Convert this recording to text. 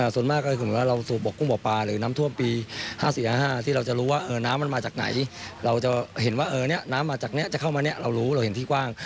ส่วนมากเราต้องส่งวิงปะปลาน้ำตั่วปี๕๐๕๕ที่จะสามารถรู้ว่าน้ำจะมาจากไหนเราจะเห็นว่าน้ำมาจากนี้เราจะเจอมาเนี้ยรู้ที่กว้าง